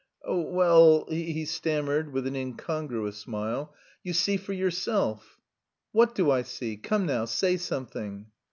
"Oh, well..." he stammered with an incongruous smile. "You see for yourself...." "What do I see? Come now, say something!"